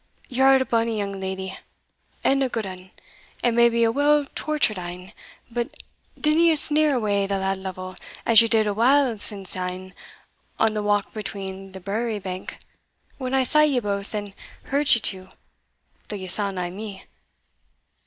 Ye are a bonny young leddy, and a gude ane, and maybe a weel tochered ane but dinna ye sneer awa the lad Lovel, as ye did a while sinsyne on the walk beneath the Briery bank, when I saw ye baith, and heard ye too, though ye saw nae me.